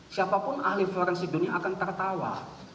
siapapun ahli forensik dunia akan tertawa